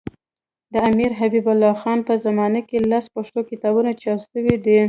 د امیرحبیب الله خان په زمانه کي لس پښتو کتابونه چاپ سوي دي.